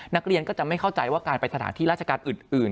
นักเรียนก็จะไม่เข้าใจว่าการไปสถานที่ราชการอื่น